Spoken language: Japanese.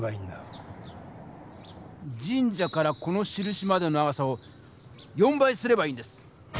神社からこのしるしまでの長さを４倍すればいいんです。